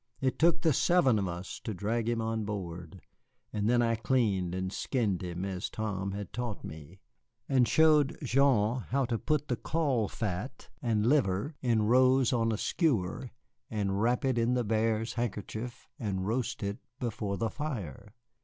It took the seven of us to drag him on board, and then I cleaned and skinned him as Tom had taught me, and showed Jean how to put the caul fat and liver in rows on a skewer and wrap it in the bear's handkerchief and roast it before the fire.